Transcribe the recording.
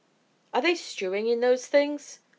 "Are they stewing in those things?"